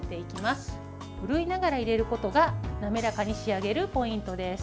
振るいながら入れることが滑らかに仕上げるポイントです。